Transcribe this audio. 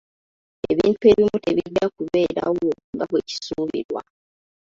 Ebintu ebimu tebijja kubeerawo nga bwe kisuubirwa.